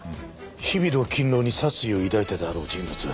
日比野近郎に殺意を抱いたであろう人物